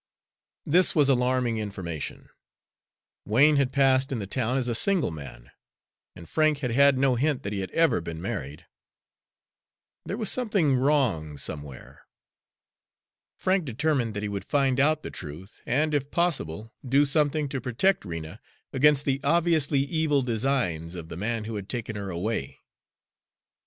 This was alarming information. Wain had passed in the town as a single man, and Frank had had no hint that he had ever been married. There was something wrong somewhere. Frank determined that he would find out the truth and, if possible, do something to protect Rena against the obviously evil designs of the man who had taken her away.